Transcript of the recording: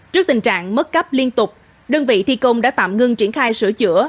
trước tình trạng mất cấp liên tục đơn vị thi công đã tạm ngưng triển khai sửa chữa